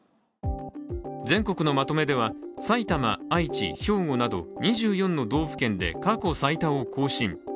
全国のまとめでは、埼玉、愛知、兵庫など２４の道府県で、過去最多を更新。